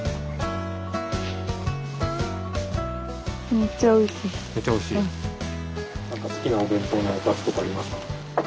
めっちゃおいしい。